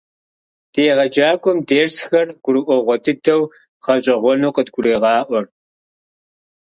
Ди егъэджакӀуэм дерсхэр гурыӀуэгъуэ дыдэу, гъэщӀэгъуэну къыдгурегъаӀуэр.